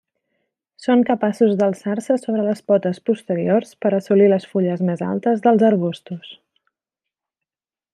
Són capaços d'alçar-se sobre les potes posteriors per assolir les fulles més altes dels arbustos.